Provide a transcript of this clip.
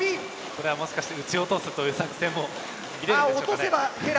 これはもしかして撃ち落とすという作戦も見れるんでしょうかね？